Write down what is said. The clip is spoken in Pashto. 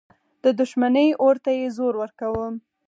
د دښمني اور ته یې زور ورکاوه.